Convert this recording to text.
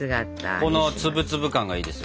このツブツブ感がいいですよね。